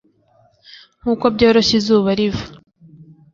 Nkuko byoroshye izuba riva